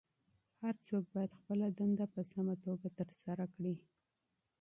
هر څوک باید خپله دنده په سمه توګه ترسره کړي.